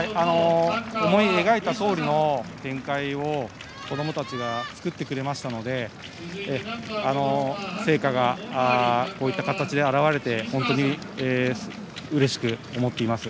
思い描いたとおりの展開を子どもたちが作ってくれましたので成果がこういった形で現れて本当にうれしく思っています。